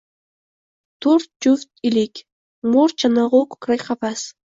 Toʼrt juft ilik, moʼrt chanogʼu koʼkrak qafas